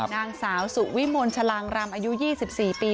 นางสาวสุวิมลชะลางรำอายุ๒๔ปี